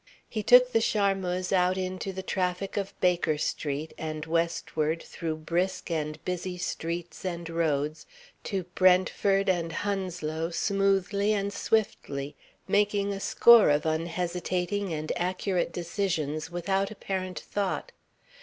He took the Charmeuse out into the traffic of Baker Street and westward through brisk and busy streets and roads to Brentford and Hounslow smoothly and swiftly, making a score of unhesitating and accurate decisions without apparent thought.